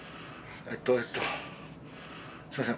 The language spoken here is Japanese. えっとえっとすいません。